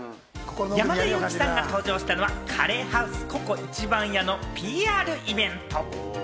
山田裕貴さんが登場したのは、ＣＵＲＲＹＨＯＵＳＥＣｏＣｏ壱番屋のＰＲイベント。